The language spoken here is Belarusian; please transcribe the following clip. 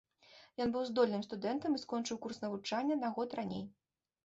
Ён быў здольным студэнтам і скончыў курс навучання на год раней.